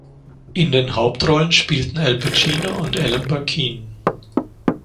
In den Hauptrollen spielten Al Pacino und Ellen Barkin.